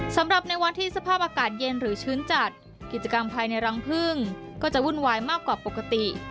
สำหรับในวันที่สภาพอากาศเย็นหรือชื้นจัดกิจกรรมภายในรังพึ่งก็จะวุ่นวายมากกว่าปกติ